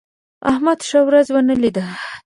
احمد ښه ورځ ونه لیده.